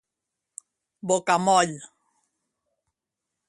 Bocamoll